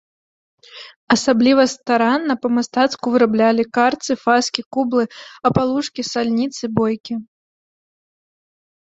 Асабліва старанна, па-мастацку выраблялі карцы, фаскі, кублы, апалушкі, сальніцы, бойкі.